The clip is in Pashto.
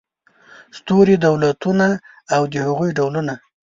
ستوري دولتونه او د هغوی ډولونه